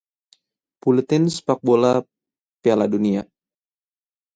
buletin sepak bola Piala Dunia